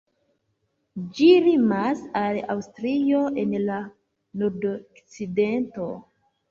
Ĝi limas al Aŭstrio en la nordokcidento.